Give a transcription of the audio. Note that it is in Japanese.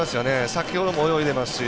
先ほども泳いでますし。